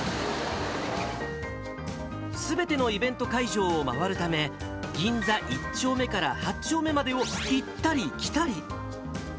すべてのイベント会場を回るため、銀座１丁目から８丁目までを行ったり来たり。